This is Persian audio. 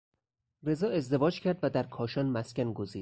رضا ازدواج کرد و در کاشان مسکن گزید.